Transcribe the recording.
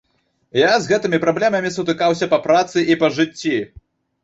Я з гэтымі праблемамі сутыкаўся па працы і па жыцці.